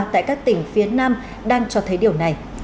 tại các tỉnh phía nam đang cho thấy điều này